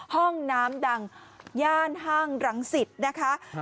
ห้องน้ำดังย่านห้างรังสิตนะคะ